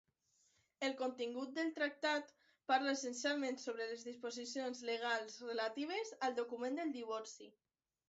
El contingut del tractat parla essencialment sobre les disposicions legals relatives al document del divorci.